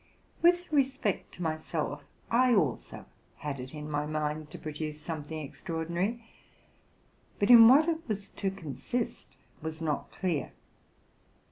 With respect to myself, I also had it in my mind to pro duce something extraordinary ; but in what it was to consist was not clear.